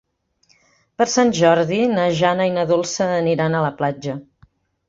Per Sant Jordi na Jana i na Dolça aniran a la platja.